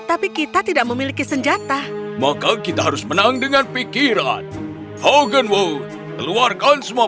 tapi kita tidak memiliki senjata maka kita harus menang dengan pikiran hogan wow keluarkan semua